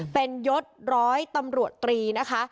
เป็นยศร้อยตำรวจตรีนะคะ